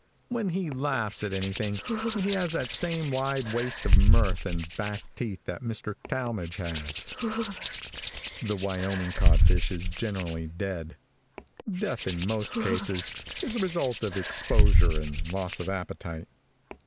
When he laughs at anything, he has that same wide waste of mirth and back teeth that Mr. Talmage has. The Wyoming codfish is generally dead. Death, in most cases, is the result of exposure and loss of appetite.